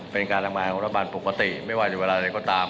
เป็นการกรรมงานของรัฐบาลปกติไม่ว่าจะเวลาอะไรก็ตาม